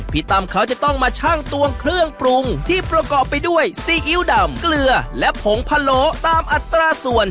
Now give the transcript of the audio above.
ตำเขาจะต้องมาชั่งตวงเครื่องปรุงที่ประกอบไปด้วยซีอิ๊วดำเกลือและผงพะโลตามอัตราส่วน